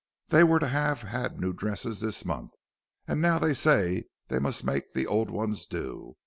They were to have had new dresses this month, and now they say they must make the old ones do.